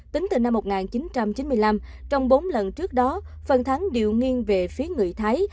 tính từ năm một nghìn chín trăm chín mươi năm trong bốn lần trước đó phần thắng điều nghiên về phía người thái